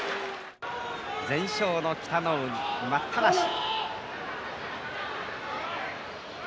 全勝の北の湖、待ったなし。